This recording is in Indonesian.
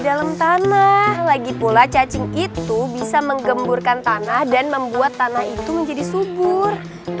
di dalam tanah lagi pula cacing itu bisa menggemburkan tanah dan membuat tanah itu menjadi subur